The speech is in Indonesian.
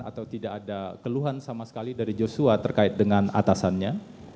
atau tidak ada keluhan sama sekali dari joshua terkait dengan atasannya